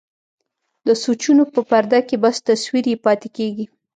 د سوچونو په پرده کې بس تصوير يې پاتې کيږي.